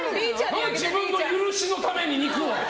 何、自分の許しのために肉を！